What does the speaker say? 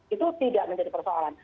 itu tidak menjadi persoalan